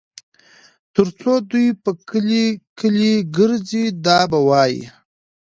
تر څو دوى په کلي کلي ګرځي دا به وايي